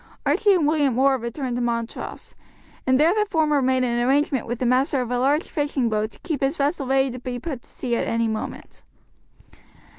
Archie and William Orr returned to Montrose, and there the former made an arrangement with the master of a large fishing boat to keep his vessel ready to put to sea at any moment.